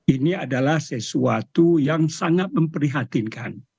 ini adalah sesuatu yang sangat memprihatinkan